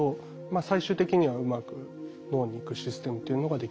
最終的にはうまく脳に行くシステムというのができました。